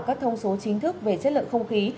các thông số chính thức về chất lượng không khí